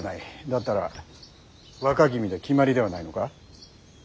だったら若君で決まりではないのか。